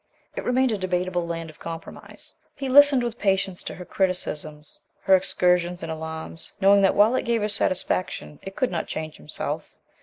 It remained a debatable land of compromise. He listened with patience to her criticisms, her excursions and alarms, knowing that while it gave her satisfaction, it could not change himself.